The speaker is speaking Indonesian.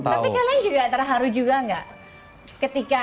tapi kalian juga antara haru juga nggak